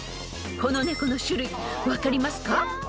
［この猫の種類分かりますか？］